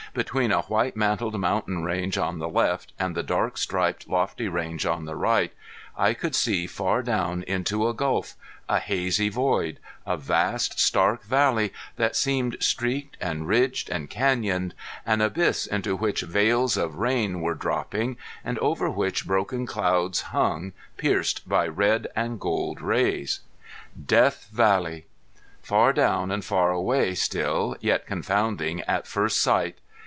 Between a white mantled mountain range on the left and the dark striped lofty range on the right I could see far down into a gulf, a hazy void, a vast stark valley that seemed streaked and ridged and canyoned, an abyss into which veils of rain were dropping and over which broken clouds hung, pierced by red and gold rays. Death Valley! Far down and far away still, yet confounding at first sight!